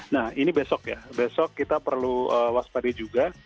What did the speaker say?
nah ini besok ya besok kita perlu waspada juga